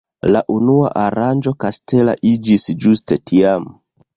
La unua aranĝo kastela iĝis ĝuste tiam.